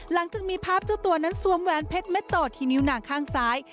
หลังจากมีภาพเจ้าตัวนั้นสวมแวนเพชรเม็ดต่อที่นิ้วหนังข้างซ้าย